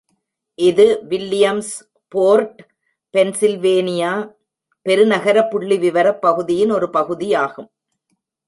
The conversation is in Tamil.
இது வில்லியம்ஸ்போர்ட், பென்சில்வேனியா பெருநகர புள்ளிவிவரப் பகுதியின் ஒரு பகுதியாகும்.